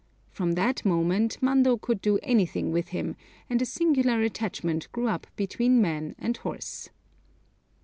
From that moment Mando could do anything with him, and a singular attachment grew up between man and horse.